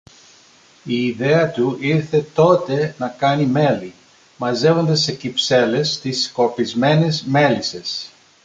Η ιδέα του ήλθε τότε να κάνει μέλι, μαζεύοντας σε κυψέλες τις σκορπισμένες μέλισσες.